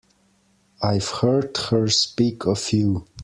I've heard her speak of you.